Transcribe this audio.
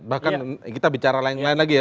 bahkan kita bicara lain lain lagi ya